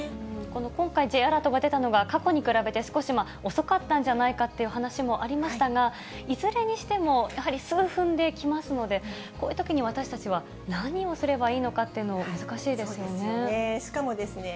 この今回、Ｊアラートが出たのが、過去に比べて少し遅かったんじゃないかという話もありましたが、いずれにしても、やはり数分で来ますので、こういうときに私たちは何をすればいいのかっていうの、難しいでそうですよね。